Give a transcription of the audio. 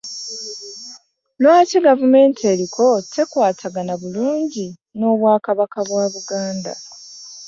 Lwaki gavumenti eriko tekwatagana bulungi n'obwakabaka bwa Buganda.